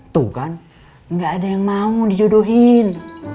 tuh kan gak ada yang mau dijodohin